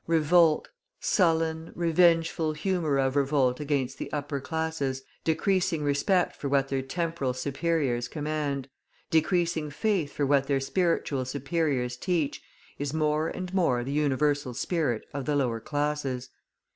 Revolt, sullen, revengeful humour of revolt against the upper classes, decreasing respect for what their temporal superiors command, decreasing faith for what their spiritual superiors teach, is more and more the universal spirit of the lower classes.